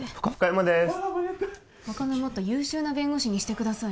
間に合った他のもっと優秀な弁護士にしてください